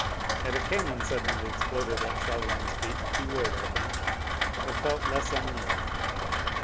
Had a cannon suddenly exploded at Chauvelin's feet he would, I think, have felt less unnerved.